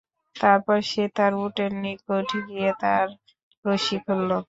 তারপর সে তার উটের নিকট গিয়ে তার রশি খুলল।